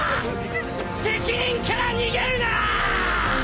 責任から逃げるなっ！